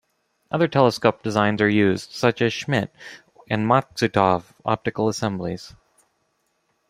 Other telescope designs are used such as Schmidt and Maksutov optical assemblies.